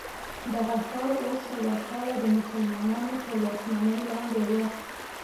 دغه ښار اوه سوه کاله د مسلمانانو تر واکمنۍ لاندې و.